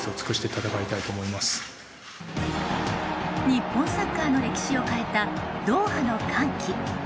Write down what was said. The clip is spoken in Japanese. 日本サッカーの歴史を変えたドーハの歓喜。